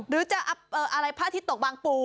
หรือจะอะไรพระอาทิตย์ตกบางปู